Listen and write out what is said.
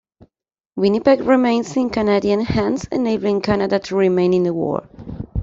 Winnipeg remains in Canadian hands, enabling Canada to remain in the war.